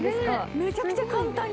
めちゃくちゃ簡単に。